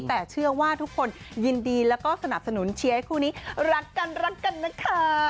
แต่เชื่อว่าทุกคนยินดีแล้วก็สนับสนุนเชียร์ให้คู่นี้รักกันรักกันนะคะ